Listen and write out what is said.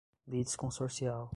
litisconsorcial